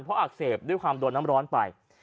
เพราะอักเสบด้วยความโดนน้ำร้อนไป